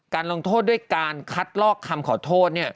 ลงโทษด้วยการคัดลอกคำขอโทษ